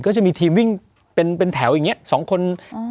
ก็จะมีทีมวิ่งเป็นแถวอย่างนี้๒คน